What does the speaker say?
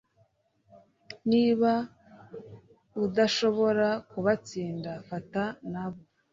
Niba udashobora kubatsinda fata nabo